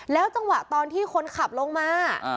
จังหวะตอนที่คนขับลงมา